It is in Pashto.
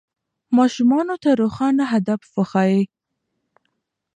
ماشومانو ته روښانه هدف وښیئ.